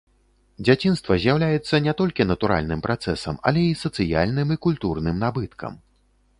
Дзяцінства з'яўляецца не толькі натуральным працэсам, але і сацыяльным і культурным набыткам.